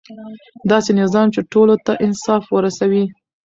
داسې نظام چې ټولو ته انصاف ورسوي.